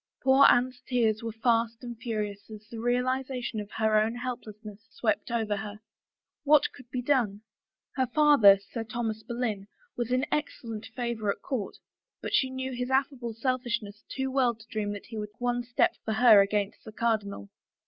Poor Anne's tears were fast and furious as the realiza tion of her own helplessness swept over her. What could be done ? Her father, Sir Thomas Boleyn, was in excellent favor at court but she knew his affable selfish ness too well to dream that he would take one step for her against the cardinal.